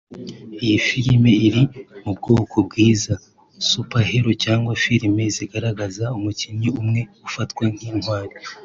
Iyi filime iri mu bwoko bw’iza “Superhero” cyangwa filime zigaragaza umukinnyi umwe ufatwa nk’intwari